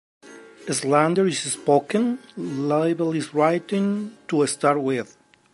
Slander is spoken; libel is written, to start with.